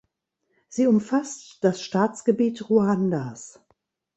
Sie umfasst das Staatsgebiet Ruandas.